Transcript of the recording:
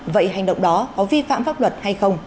vậy hành động đó có vi phạm pháp luật hay không